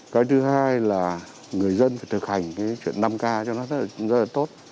cái thứ hai là người dân phải thực hành cái chuyện năm k cho nó rất là tốt